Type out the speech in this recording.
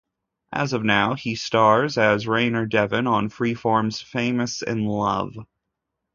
As of now, he stars as Rainer Devon on Freeform's "Famous in Love".